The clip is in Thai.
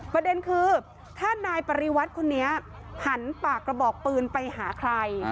ประเด็นคือถ้านายปริวัติคนนี้หันปากกระบอกปืนไปหาใคร